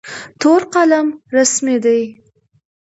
تور قلم رسمي دی.